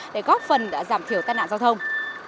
để góp phần giảm thiểu tai nạn giao thông